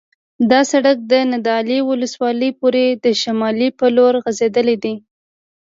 دا سرک د نادعلي ولسوالۍ پورې د شمال په لور غځېدلی دی